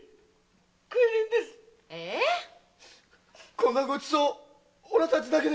こんなごちそうオラたちだけが。